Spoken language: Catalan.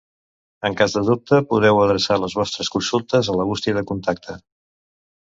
En cas de dubte podeu adreçar les vostres consultes a la bústia de contacte.